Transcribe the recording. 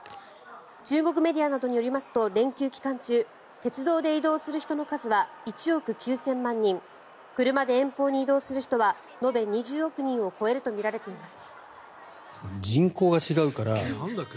中国メディアなどによりますと連休中鉄道で移動する人の数は１億９０００万人車で遠方に移動する人は延べ２０億人を超えるとみられています。